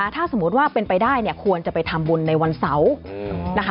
ถ้าสมมุติว่าเป็นไปได้ควรไปทำบุญในวันเสาร์